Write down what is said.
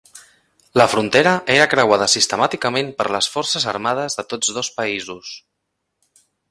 La frontera era creuada sistemàticament per les forces armades de tots dos països.